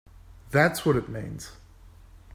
That's what it means!